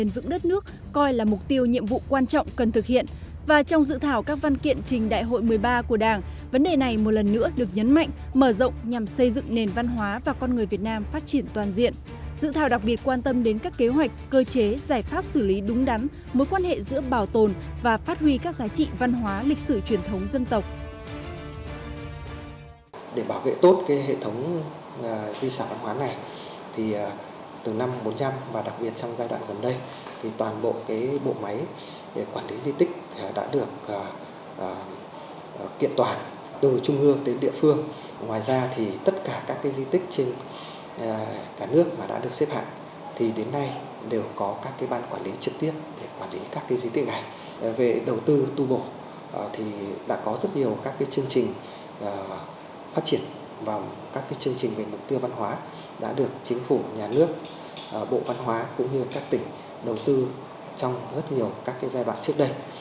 về đầu tư tu bộ thì đã có rất nhiều các chương trình phát triển và các chương trình về mục tiêu văn hóa đã được chính phủ nhà nước bộ văn hóa cũng như các tỉnh đầu tư trong rất nhiều các giai đoạn trước đây